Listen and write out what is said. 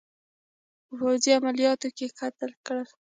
په پوځي عملیاتو کې قتل کړل.